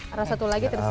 ada satu lagi terus bisa